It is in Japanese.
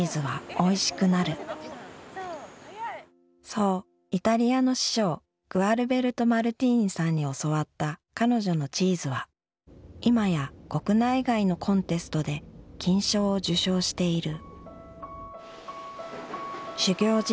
そうイタリアの師匠グアルベルト・マルティーニさんに教わった彼女のチーズは今や国内外のコンテストで金賞を受賞している。